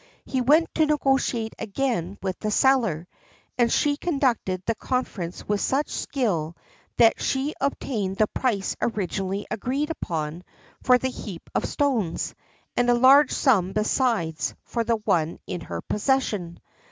He went to negotiate again with the seller, and she conducted the conference with such skill that she obtained the price originally agreed upon for the heap of stones, and a large sum besides for the one in her possession.